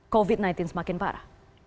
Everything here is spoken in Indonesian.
covid sembilan belas semakin parah